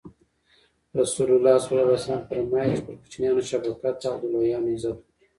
رسول الله ص فرمایي: چی پر کوچنیانو شفقت او او د لویانو عزت وکړي.